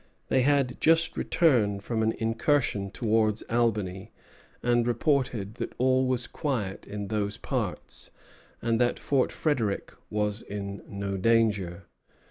They had just returned from an incursion towards Albany, and reported that all was quiet in those parts, and that Fort Frédéric was in no danger.